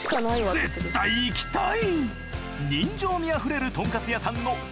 絶対行きたい！